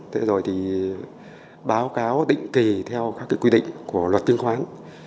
thế rồi thì báo cáo định kỳ theo các cái quy định của luật tinh khoáng